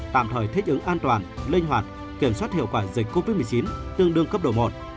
tạm thời thích ứng an toàn linh hoạt kiểm soát hiệu quả dịch covid một mươi chín tương đương cấp độ một